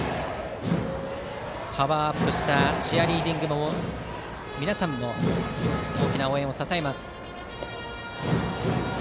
パワーアップしたチアリーディング部の皆さんも大きな応援を支えます。